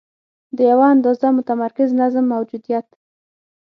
د یوه اندازه متمرکز نظم موجودیت.